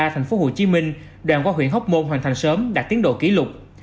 thành phố hồ chí minh đoàn qua huyện hóc môn hoàn thành sớm đạt tiến độ kỷ lục